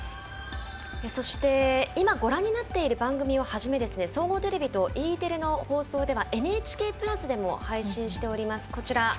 そして、今ご覧になっている番組をはじめ総合テレビとＥテレの放送ではＮＨＫプラスでも配信しております。